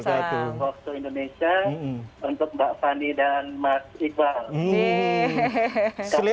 waktu indonesia untuk mbak fani dan mas iqbal